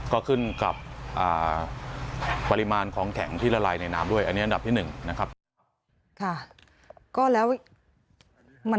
ก็ขึ้นกับปริมาณของแข่งที่ละลายด้วยอันดับที่๑นะครับ